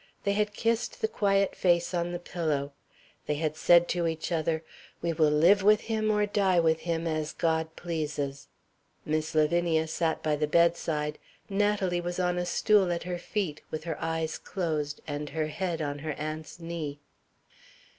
They had kissed the quiet face on the pillow. They had said to each other, "We will live with him or die with him as God pleases." Miss Lavinia sat by the bedside. Natalie was on a stool at her feet with her eyes closed, and her head on her aunt's knee.